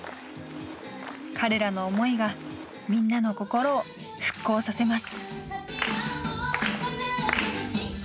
彼らの思いがみんなの心を復興させます。